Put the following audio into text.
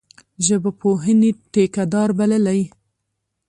ژبپوهني ټیکه دار بللی.